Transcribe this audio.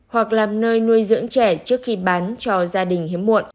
hoặc làm nơi nuôi dưỡng trẻ trước khi bán cho gia đình hiếm muộn